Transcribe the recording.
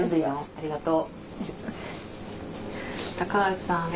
ありがとう。